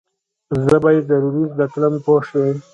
زه به یې ضرور زده کړم پوه شوې!.